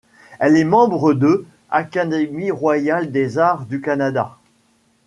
Elle est membre de Académie royale des arts du Canada.